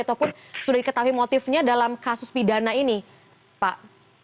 ataupun sudah diketahui motifnya dalam kasus pidana ini pak